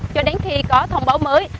cho đến khi có thông báo mới